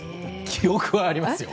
記憶はありますよ。